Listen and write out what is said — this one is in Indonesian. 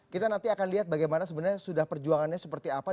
kita nanti akan lihat bagaimana sebenarnya sudah perjuangannya seperti apa